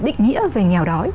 định nghĩa về nghèo đói